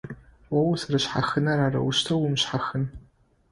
О узэрэшъхьахынэр - арэущтэу умышъхьахын.